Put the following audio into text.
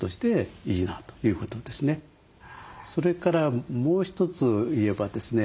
それからもう一つ言えばですね